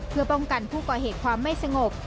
เพื่อป้องกันผู้ก่อเหตุความไม่สงบ